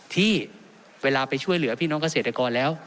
ที่เวลาไปช่วยเหลือพี่น้องเกษตรกรแล้ว